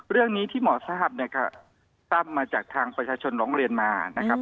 เรื่องนี้ที่หมอทราบเนี่ยครับทราบมาจากทางประชาชนร้องเรียนมานะครับ